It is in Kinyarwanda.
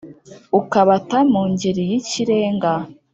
Ukabata mu ngeri yikirenga,